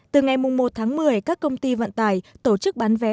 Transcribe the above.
từ ngày một tháng một mươi các công ty vận tải tổ chức bán vé